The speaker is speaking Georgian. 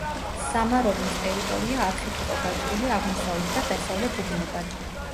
სამაროვნის ტერიტორია არხით იყო გაჭრილი აღმოსავლეთ და დასავლეთ უბნებად.